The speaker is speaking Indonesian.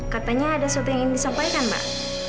katanya ada sesuatu yang ingin disampaikan pak